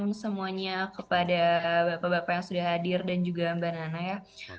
terima kasih semuanya kepada bapak bapak yang sudah hadir dan juga mbak nana ya